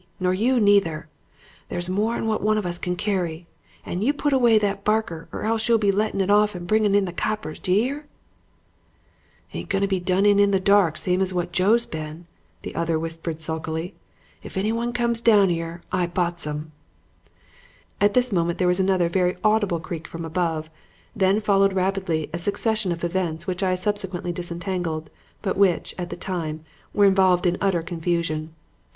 Nor you neither. There's more'n what one of us can carry. And you put away that barker or else you'll be lettin' it off and bringin' in the coppers. D'ye 'ear?' "'Ain't going to be done in the dark same as what Joe's been,' the other whispered sulkily. 'If anyone comes down 'ere, I pots 'im.' "At this moment there was another very audible creak from above, and then followed rapidly a succession of events which I subsequently disentangled, but which, at the time, were involved in utter confusion.